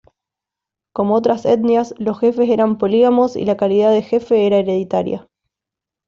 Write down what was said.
Como otras etnias, los jefes eran polígamos y la calidad de jefe era hereditaria.